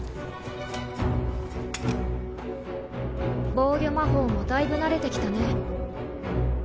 防御魔法もだいぶ慣れてきたね。